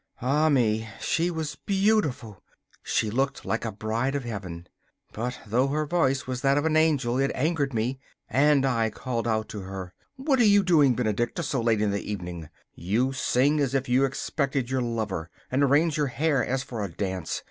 Ah me! she was beautiful; she looked like a bride of Heaven. But though her voice was that of an angel, it angered me, and I called out to her: 'What are you doing, Benedicta, so late in the evening? You sing as if you expected your lover, and arrange your hair as for a dance.